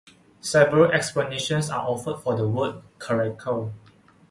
Several explanations are offered for the word 'Karaikal'.